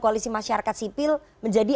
koalisi masyarakat sipil menjadi